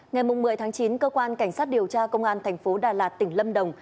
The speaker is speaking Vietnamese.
ngày một mươi tháng chín cơ quan cảnh sát điều tra công an tp đà lạt tỉnh lâm đồng